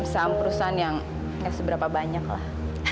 saat perusahaan yang gak seberapa banyak lah